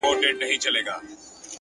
هوښیار انتخاب راتلونکی اسانه کوي.